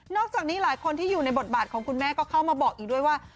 จากนี้หลายคนที่อยู่ในบทบาทของคุณแม่ก็เข้ามาบอกอีกด้วยว่า